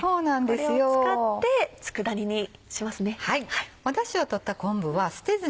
これを使って佃煮にしますね。